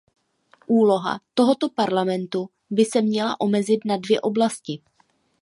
Úloha tohoto Parlamentu by se měla omezit na dvě oblasti.